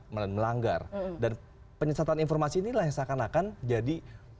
melanggar dan penyesatan informasi inilah yang seakan akan jadi